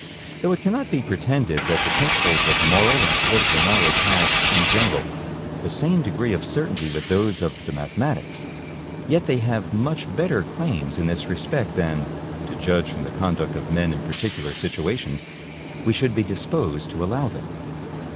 Though it cannot be pretended that the principles of moral and political knowledge have, in general, the same degree of certainty with those of the mathematics, yet they have much better claims in this respect than, to judge from the conduct of men in particular situations, we should be disposed to allow them.